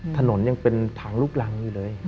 ถนนยังเป็นทางลูกรังอยู่เลย